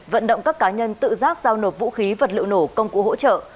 vận động các cá nhân tự giác giao nộp vũ khí vật liệu nổ công cụ hỗ trợ